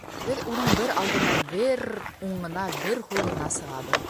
Беҙ уның бер алдына, бер уңына, бер һулына сығабыҙ.